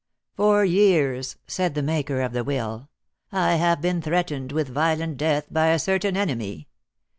"For years," said the maker of the will, "I have been threatened with violent death by a certain enemy.